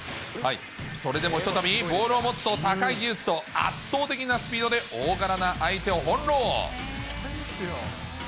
それでもひとたびボールを持つと高い技術と圧倒的なスピードで、大柄な相手を翻弄。